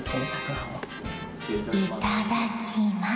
じゃいただきます。